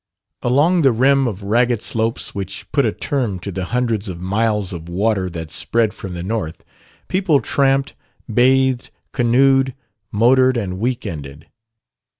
Along the rim of ragged slopes which put a term to the hundreds of miles of water that spread from the north, people tramped, bathed, canoed, motored and week ended.